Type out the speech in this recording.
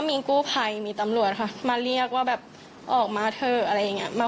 มีกู้ภัยมีตำรวจค่ะมาเรียกว่าแบบออกมาเถอะอะไรอย่างนี้